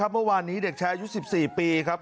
เมื่อวานนี้เด็กแชร์๒๔ปีครับ